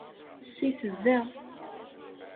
Sit da.